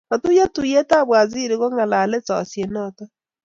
katuyio tuyietab wazirik ku ng'alale sosiet noto